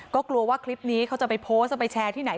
ก็กลัวว่าคลิปนี้เขาจะไปโพสต์จะไปแชร์ที่ไหน